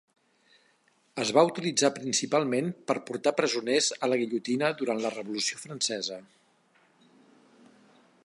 Es va utilitzar principalment per portar presoners a la guillotina durant la Revolució Francesa.